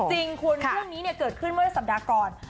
จริงคุณเรื่องนี้เกิดขึ้นเมื่อสัปดาห์ก่อน